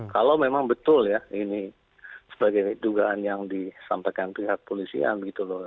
kalau memang betul ya ini sebagai dugaan yang disampaikan pihak polisian gitu loh